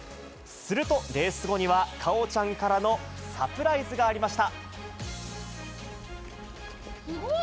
すると、レース後には果緒ちゃんからのサプライズがありました。